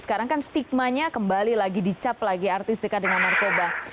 sekarang kan stigmanya kembali lagi dicap lagi artis dekat dengan narkoba